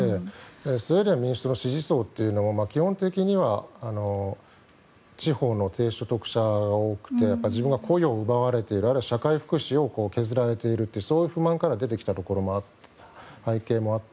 スウェーデン民主党の支持層というのは基本的には地方の低所得者が多くて自分が雇用を奪われているあるいは社会福祉を削られているという不満から出てきた背景もあって。